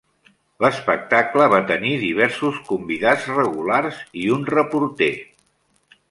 L'espectacle va tenir diversos convidats regulars i un reporter.